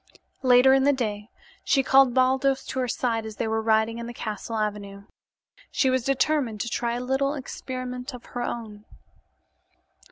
Later in the day she called Baldos to her side as they were riding in the castle avenue. She was determined to try a little experiment of her own.